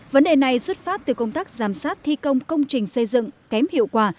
vấn đề này xuất phát từ công tác giám sát thi công công trình xây dựng kém hiệu quả